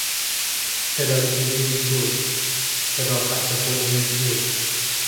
صداگیر اگزوز، صداخفه کن اگزوز